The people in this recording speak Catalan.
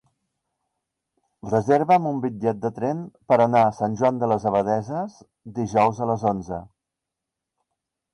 Reserva'm un bitllet de tren per anar a Sant Joan de les Abadesses dijous a les onze.